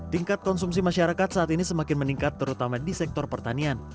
tingkat konsumsi masyarakat saat ini semakin meningkat terutama di sektor pertanian